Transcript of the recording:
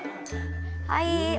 はい。